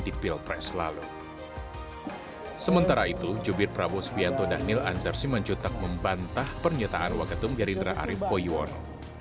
dato' dhanil anzarsimanjot tak membantah pernyataan wakil tumgarindra arief poywono